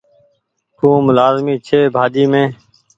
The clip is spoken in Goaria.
ٿوم لآزمي ڇي ڀآڃي مين۔